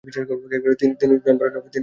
তিনি John Burroughs নামে পরিচিত ছিলেন।